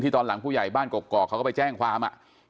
ตอนหลังผู้ใหญ่บ้านกอกเขาก็ไปแจ้งความ